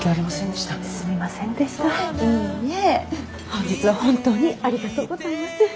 本日は本当にありがとうございます。